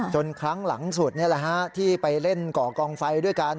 ครั้งหลังสุดนี่แหละฮะที่ไปเล่นก่อกองไฟด้วยกัน